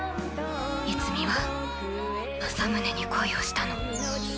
睦実は正宗に恋をしたの。